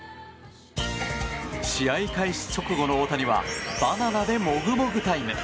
試合開始直後の大谷はバナナでもぐもぐタイム。